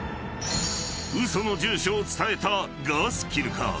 ［嘘の住所を伝えたガスキルか？］